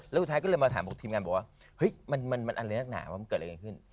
แล้วสุดท้ายก็เลยมาถามบอกทีมงานบอกว่าเฮ้ยมันอะไรนักหนาว่ามันเกิดอะไรกันขึ้น